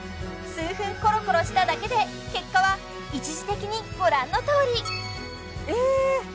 数分コロコロしただけで結果は一時的にご覧のとおりえ！